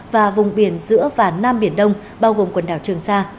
và vùng biển giữa và nam biển đông bao gồm quần đảo trường sa